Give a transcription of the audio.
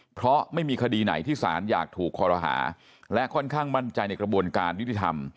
เพราะไม่มีคดีไหนที่ศาลอยากถูกคอรหาและค่อนข้างมั่นใจในกระบวนการยุติธรรม